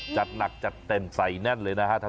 จัดหนักจัดเต็มใส่แน่นเลยนะฮะ